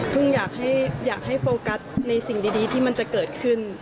อยากให้โฟกัสในสิ่งดีที่มันจะเกิดขึ้น